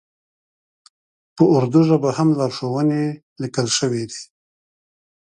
په اردو ژبه هم لارښوونې لیکل شوې وې.